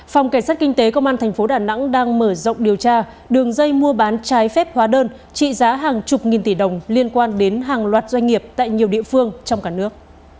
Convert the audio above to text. phòng cảnh sát kinh tế công an tp đà nẵng đang mở rộng điều tra đường dây mua bán trái phép hóa đơn trị giá hàng chục nghìn tỷ đồng liên quan đến hàng loạt doanh nghiệp tại nhiều địa phương trong cả nước